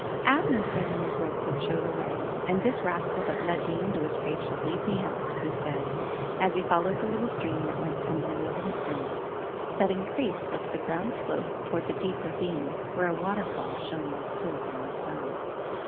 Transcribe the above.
Abner said any brook would show the way, and this rascal that led me into a scrape shall lead me out," he said, as he followed the little stream that went tumbling over the stones, that increased as the ground sloped toward the deep ravine, where a waterfall shone like silver in the sun.